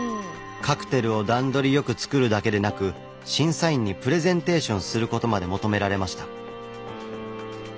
カクテルを段取りよく作るだけでなく審査員にプレゼンテーションすることまで求められました。